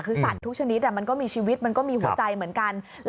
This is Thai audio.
คือสัตว์ทุกชนิดมันก็มีชีวิตมันก็มีหัวใจเหมือนกัน